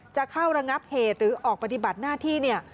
จะเข้าระงับเหตุหรือออกปฏิบัติหน้าที่เนี่ย